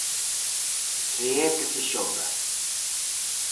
Se é que se xoga.